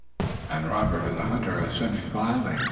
Robert and the hunter assented gladly.